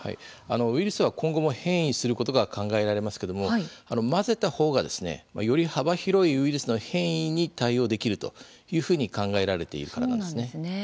ウイルスは今後も変異することが考えられますけれども混ぜた方がより幅広いウイルスの変異に対応できるというふうに考えられているからなんですね。